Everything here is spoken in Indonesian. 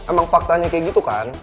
emang faktanya kayak gitu kan